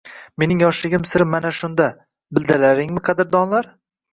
Mening yoshligim siri mana shunda, bildilaringmi, qadrdonlar